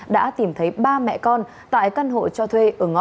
đã tìm thấy ba mẹ con tại căn hộ cho thuê ở ngõ